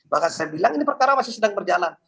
bahkan saya bilang ini perkara masih sedang berjalan